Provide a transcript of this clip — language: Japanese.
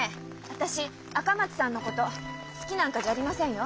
私赤松さんのこと好きなんかじゃありませんよ。